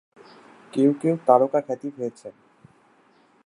কেউ কেউ তারকাখ্যাতি পেয়েছেন।